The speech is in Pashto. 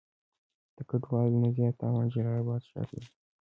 د ګډوالو نه زيات تاوان جلال آباد ښار وينئ.